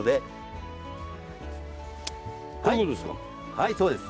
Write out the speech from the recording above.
はいそうです。